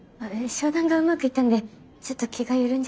商談がうまくいったんでちょっと気が緩んじゃって。